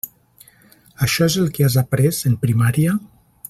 Això és el que has aprés en primària?